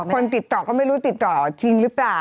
คนติดต่อก็ไม่รู้ติดต่อจริงหรือเปล่า